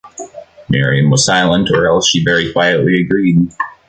Miriam was silent, or else she very quietly agreed.